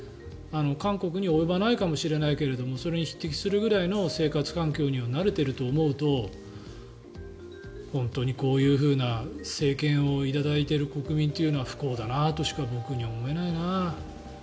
韓国に及ばないかもしれないけれどもそれに匹敵するくらいの生活環境にはなれていると思うと本当にこういう政権をいただいている国民というのは不幸だなとしか僕には思えないな。